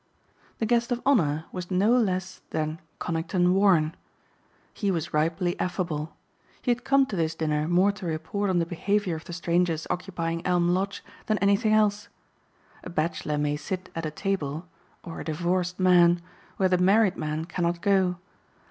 The guest of honor was no less than Conington Warren. He was ripely affable. He had come to this dinner more to report on the behavior of the strangers occupying Elm Lodge than anything else. A bachelor may sit at a table or a divorced man where the married man cannot go.